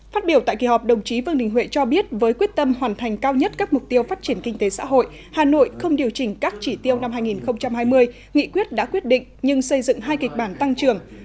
phát biểu tại kỳ họp đồng chí vương đình huệ cho biết với quyết tâm hoàn thành cao nhất các mục tiêu phát triển kinh tế xã hội hà nội không điều chỉnh các chỉ tiêu năm hai nghìn hai mươi nghị quyết đã quyết định nhưng xây dựng hai kịch bản tăng trưởng